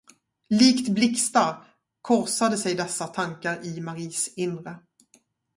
Likt blixtar korsade sig dessa tankar i Maris inre.